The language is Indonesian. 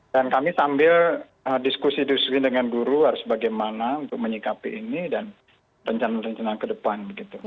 dan kami sambil diskusi diskusi dengan guru harus bagaimana untuk menyikapi ini dan rencana rencana ke depan